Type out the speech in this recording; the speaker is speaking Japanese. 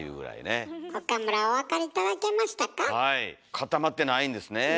固まってないんですねえ。